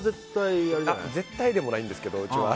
絶対でもないんですけどうちは。